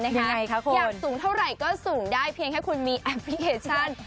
ยังไงคะคุณอยากสูงเท่าไรก็สูงได้เพียงให้คุณมีแอปพลิเคชัน